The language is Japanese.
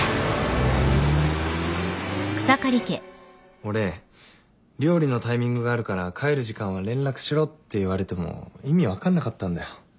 俺「料理のタイミングがあるから帰る時間は連絡しろ」って言われても意味分かんなかったんだよ。